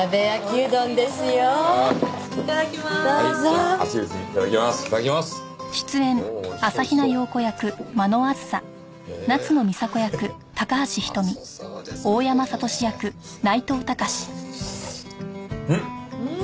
うん！